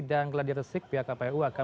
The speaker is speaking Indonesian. dan gladirisik pihak kpu akan